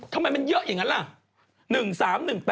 ทำไมมันเยอะอย่างนั้นล่ะ